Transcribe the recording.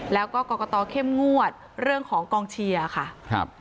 แล้วก็กรกตเข้มงวดเรื่องของกองเชียร์ค่ะครับ